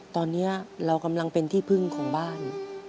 ตอนนี้เรากำลังเป็นที่พึ่งของบ้าน